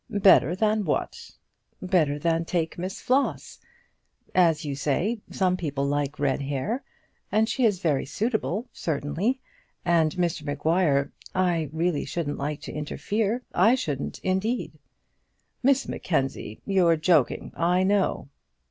"Better than what?" "Better than take Miss Floss. As you say, some people like red hair. And she is very suitable, certainly. And, Mr Maguire, I really shouldn't like to interfere; I shouldn't indeed." "Miss Mackenzie, you're joking, I know."